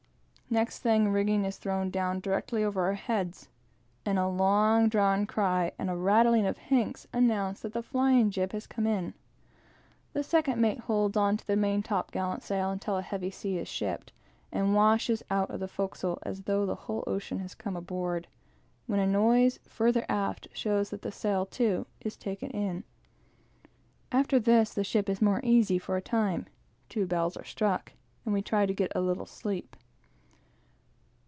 Next thing, rigging is heaved down directly over our heads, and a long drawn cry and a rattling of hanks announce that the flying jib has come in. The second mate holds on to the main top gallant sail until a heavy sea is shipped, and washes over the forecastle as though the whole ocean had come aboard; when a noise further aft shows that that sail, too, is taking in. After this, the ship is more easy for a time; two bells are struck, and we try to get a little sleep.